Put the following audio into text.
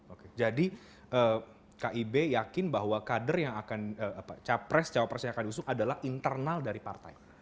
oke jadi kib yakin bahwa kader yang akan capres cawapres yang akan diusung adalah internal dari partai